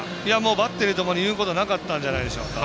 バッテリーともに言うことなかったんじゃないでしょうか。